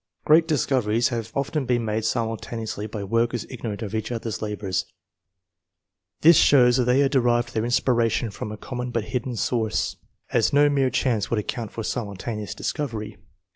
Great discoveries have often been made simultaneously by workers ignorant of each other's labours. This shows that they had derived their inspiration from a common but hidden source, as no mere chance would account for simultaneous discovery.